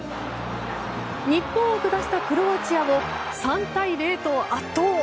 日本を下したクロアチアを３対０と圧倒。